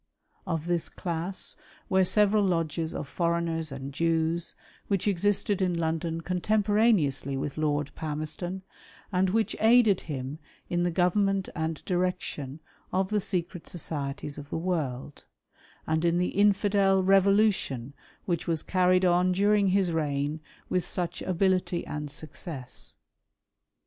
Of this class were several lodges of foreigners and Jews, which existed in London contemporaneously with Lord Palmerston, and which aided him in the government and direction of the secret societies of the world, and in the Infidel Revolution which was carried on during his reign with such ability and success.